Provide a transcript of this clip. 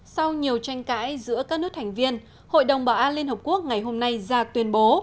sau nhiều tranh cãi giữa các nước thành viên hội đồng bảo an liên hợp quốc ngày hôm nay ra tuyên bố